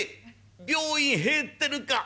病院入ってるか。